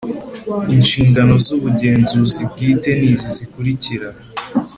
Inshingano z ubugenzuzi bwite ni izi zikurikira